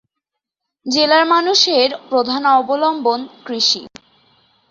জেলার মানুষের প্রধান অবলম্বন কৃষি।